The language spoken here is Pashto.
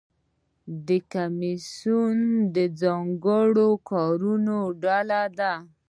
کمیسیون د ځانګړو کارونو ډله ده